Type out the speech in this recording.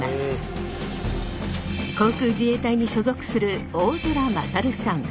航空自衛隊に所属する大空愉さん。